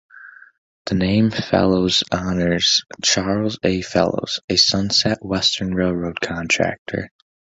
The name Fellows honors Charles A. Fellows, a Sunset Western Railroad contractor.